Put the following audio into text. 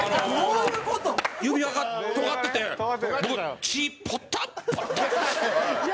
指輪がとがってて血ポタッポタッ。